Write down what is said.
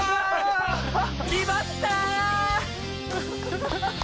きまった！